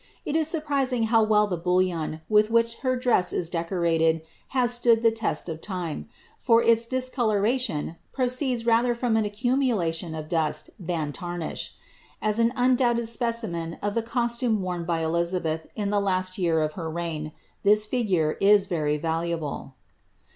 It is surprising how well the bullion with which her dress is decorated has stood the test of time, for its dis coloration proceeds rather from an accumulation of dust than tarnish. As an undoubted specimen of the costume worn by EUizabeth in the last year of her reign, this figure is very valuable.